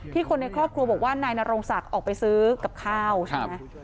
คนในครอบครัวบอกว่านายนโรงศักดิ์ออกไปซื้อกับข้าวใช่ไหม